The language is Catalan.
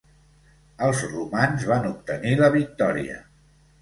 Els romans van obtenir la victòria.